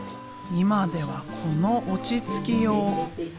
今ではこの落ち着きよう。